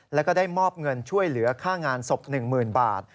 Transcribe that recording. แล้วก็ได้มอบเงินช่วยเหลือค่างานศพ๑๐๐๐บาท